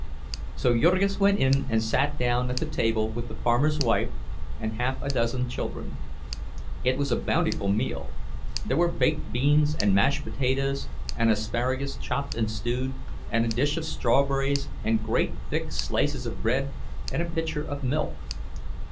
So Jurgis went in, and sat down at the table with the farmer's wife and half a dozen children. It was a bountiful meal—there were baked beans and mashed potatoes and asparagus chopped and stewed, and a dish of strawberries, and great, thick slices of bread, and a pitcher of milk.